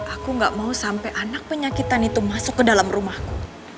aku gak mau sampai anak penyakitan itu masuk ke dalam rumahku